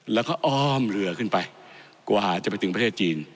แล้วก็อ้อมเรือขึ้นไปกว่าจะไปถึงประเทศจีน